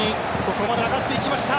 ここまで上がっていきました。